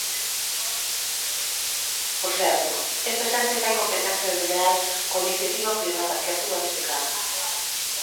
Por certo, esta xente fai competencia desleal coa iniciativa privada que actúa neste campo.